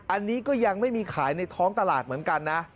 อันนี้ก็ยังไม่มีขายในท้องตลาดเหมือนกันนะ